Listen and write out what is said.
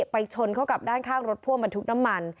ไปชนเข้ากับด้านข้างรถพ่วงบรรทุกน้ำมัน